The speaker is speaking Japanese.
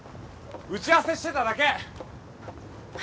打ち合わせしてただけ。